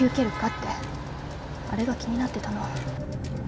ってあれが気になってたの